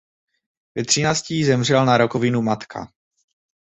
Ve třinácti jí zemřela na rakovinu matka.